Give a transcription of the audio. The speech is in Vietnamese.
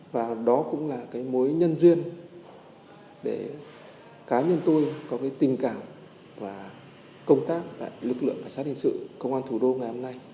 và đó cũng là cái mối nhân duyên để cá nhân tôi có cái tình cảm và công tác tại lực lượng cảnh sát hình sự công an thủ đô ngày hôm nay